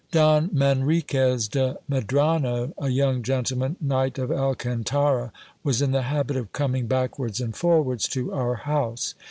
Don Manriquez de Medrano, a ycung gentleman, knight of Alcantara, was in the habit of coming backwards and forwards to our house.